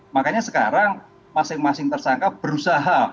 makanya sekarang masing masing tersangka berusaha